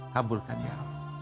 kabulkan ya rab